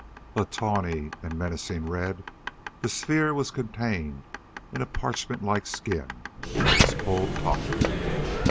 A tawny and menacing red, the sphere was contained in a parchment like skin that was pulled taut.